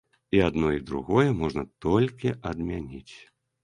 І адно, і другое можна толькі адмяніць.